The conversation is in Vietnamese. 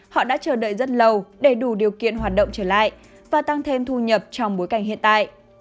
họ đã chờ đợi rất lâu để đủ điều kiện hoạt động trở lại và tăng thêm thu nhập trong bối cảnh hiện tại